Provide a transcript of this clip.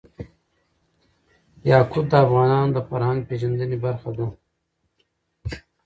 یاقوت د افغانانو د فرهنګ پیژندني برخه ده.